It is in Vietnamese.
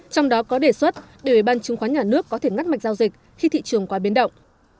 trong đó có đề xuất để ủy ban chứng khoán nhà nước có thể ngắt mạch giao dịch khi thị trường quá biến động